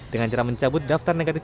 dengan cara mencabut daftar negatif